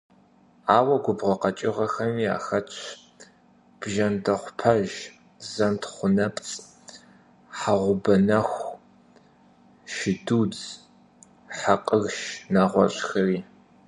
Ауэ губгъуэ къэкӀыгъэхэми яхэтщ бжэндэхъупэж, зэнтхъунэпцӀ, хьэгъубэнэху, шыдудз, хьэкъырш, нэгъуэщӀхэри.